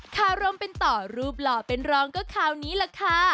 คารมเป็นต่อรูปหล่อเป็นรองก็คราวนี้แหละค่ะ